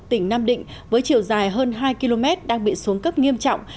tỉnh nam định với chiều dài hơn hai km đang bị xuống cấp nghiêm trọng